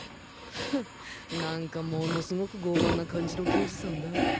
フッ何かものすごく傲慢な感じの刑事さんだ